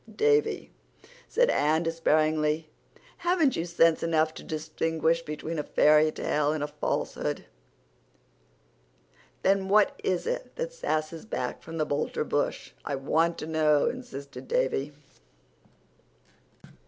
"Davy," said Anne despairingly, "haven't you sense enough to distinguish between a fairytale and a falsehood?" "Then what is it that sasses back from the Boulter bush? I want to know," insisted Davy.